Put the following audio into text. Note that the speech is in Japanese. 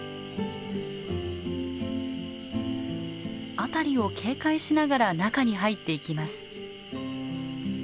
辺りを警戒しながら中に入っていきます。